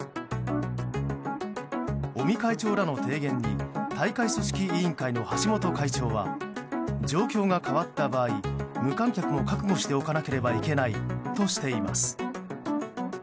尾身会長らの提言に大会組織委員会の橋本会長は状況が変わった場合無観客を覚悟しておかなければいけないとしています。